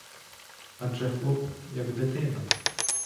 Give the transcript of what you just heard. Адже хлоп, як дитина.